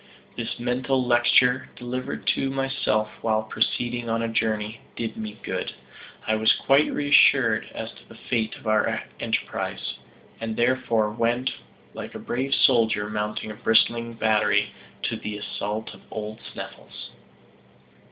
This mental lecture delivered to myself while proceeding on a journey, did me good. I was quite reassured as to the fate of our enterprise; and therefore went, like a brave soldier mounting a bristling battery, to the assault of old Sneffels.